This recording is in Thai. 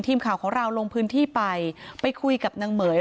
ทีมข่าวของเราลงพื้นที่ไปไปคุยกับนางเหม๋ย